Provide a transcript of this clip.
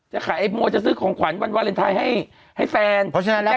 จะขายไอ้มัวจะซื้อของขวัญวันวาเลนไทยให้ให้แฟนเพราะฉะนั้นแล้ว